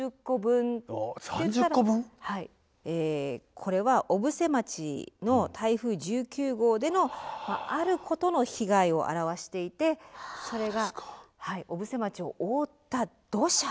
これは小布施町の台風１９号でのあることの被害を表していてそれが小布施町を覆った土砂。